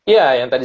ya yang tadi